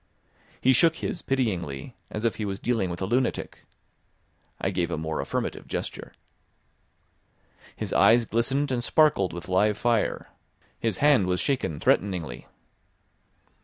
He shook his pityingly, as if he was dealing with a lunatic. I gave a more affirmative gesture. His eyes glistened and sparkled with live fire, his hand was shaken threateningly.